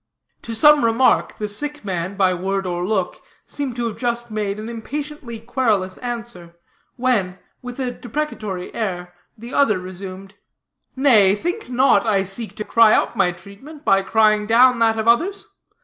To some remark the sick man, by word or look, seemed to have just made an impatiently querulous answer, when, with a deprecatory air, the other resumed: "Nay, think not I seek to cry up my treatment by crying down that of others.